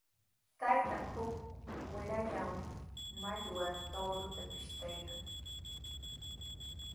Taytan uk wiralla mallwa tuuruta pishtachinaq.